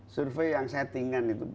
survei yang settingan itu